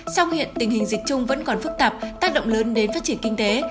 sau hiện tình hình dịch chung vẫn còn phức tạp tác động lớn đến phát triển kinh tế